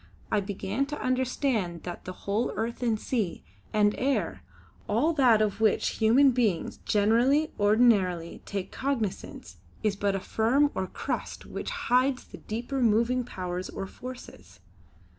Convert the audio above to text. I began to understand that the whole earth and sea, and air all that of which human beings generally ordinarily take cognisance, is but a film or crust which hides the deeper moving powers or forces.